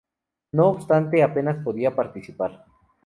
No obstante, apenas podía participar.